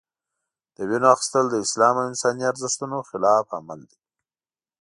د وینو اخیستل د اسلام او انساني ارزښتونو خلاف عمل دی.